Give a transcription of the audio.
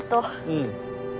うん。